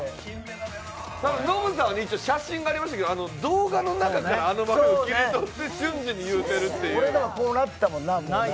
ノブさんは、一応、写真がありましたけど、動画の中からあの枠を切り取って瞬時に言ってるっていう。